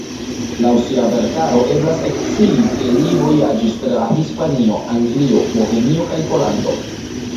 Laŭ sia verkaro eblas ekscii ke li vojaĝis tra Hispanio, Anglio, Bohemio kaj Pollando.